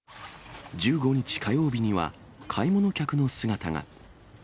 １５日火曜日には、買い物客の姿が。